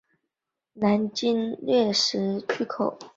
南极掠食巨口鱼为辐鳍鱼纲巨口鱼目巨口鱼科的其中一种。